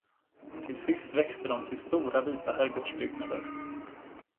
Till sist växte de till stora, vita herrgårdsbyggnader.